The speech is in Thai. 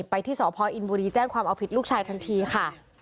ไปที่สพอินบุรีแจ้งความเอาผิดลูกชายทันทีค่ะ